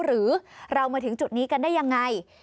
หรือเรามาถึงจุดนี้กันได้ยังไง